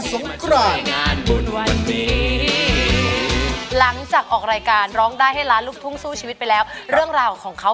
สามารถรับชมได้ทุกวัย